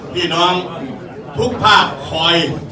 พี่น้องทุกภาคคอย